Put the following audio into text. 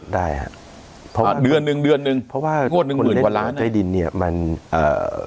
ได้ฮะเดือนหนึ่งเดือนหนึ่งเพราะว่าคนเล่นหวยใต้ดินเนี่ยมันเอ่อ